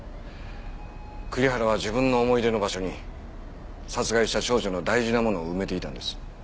栗原は自分の思い出の場所に殺害した少女の大事なものを埋めていたんです。